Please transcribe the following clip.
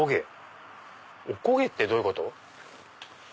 おこげってどういうこと？